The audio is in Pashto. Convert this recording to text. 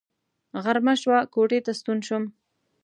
غرمه شوه کوټې ته ستون شوم.